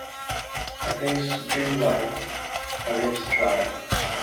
Her face grew white, her lips dry.